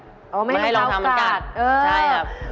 ไม่ให้เรากาดไม่ให้เราทำมันกาดใช่ครับอ๋อไม่ให้เรากาด